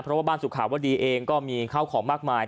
เพราะว่าบ้านสุขาวดีเองก็มีข้าวของมากมาย